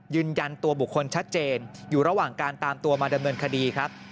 ยืนยันตัวบุคคลชัดเจนอยู่ระหว่างการตามตัวมาดำเนินคดีครับ